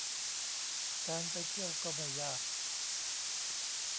การไปเที่ยวก็ไม่ยาก